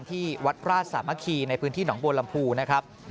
ที่วัดราชสามัคคีในพื้นที่หนองบัวลำพูนะครับ